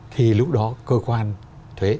thì lúc đó cơ quan thuế